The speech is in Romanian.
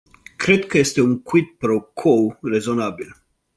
Cred că este un quid pro quo rezonabil.